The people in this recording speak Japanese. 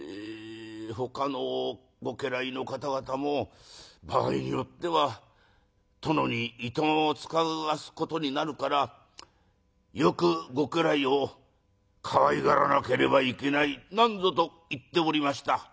ほかのご家来の方々も場合によっては殿にいとまを遣わすことになるからよくご家来をかわいがらなければいけないなんぞと言っておりました」。